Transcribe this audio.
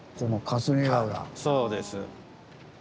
そうです。